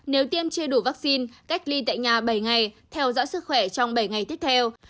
nếu tiêm chưa đủ vaccine cách ly tại nhà bảy ngày theo dõi sức khỏe trong bảy ngày tiếp theo